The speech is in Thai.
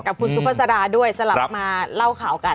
กับคุณซุภาษาด้วยสลับมาเล่าข่าวกัน